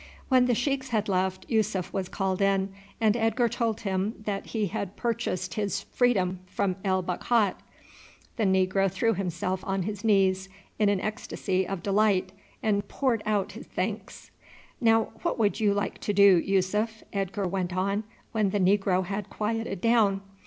When the sheiks had left Yussuf was called in, and Edgar told him that he had purchased his freedom from El Bakhat. The negro threw himself on his knees in an ecstasy of delight and poured out his thanks. "Now, what would you like to do, Yussuf?" Edgar went on when the negro had quieted down.